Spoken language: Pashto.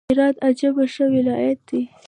هرات عجبه ښه ولايت دئ!